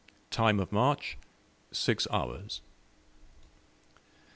Time of march, six hours.